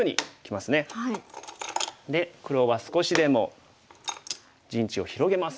で黒は少しでも陣地を広げます。